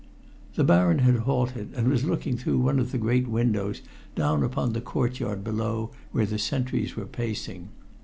The Baron had halted, and was looking through one of the great windows down upon the courtyard below where the sentries were pacing.